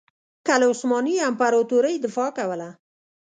که له عثماني امپراطورۍ دفاع کوله.